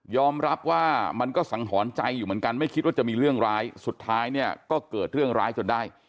รับว่ามันก็สังหรณ์ใจอยู่เหมือนกันไม่คิดว่าจะมีเรื่องร้ายสุดท้ายเนี่ยก็เกิดเรื่องร้ายจนได้